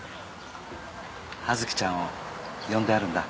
葉月ちゃんを呼んであるんだ。